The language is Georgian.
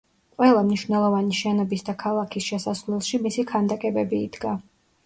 ყველა მნიშვნელოვანი შენობის და ქალაქის შესასვლელში მისი ქანდაკებები იდგა.